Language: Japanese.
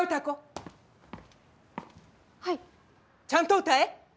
ちゃんと歌え。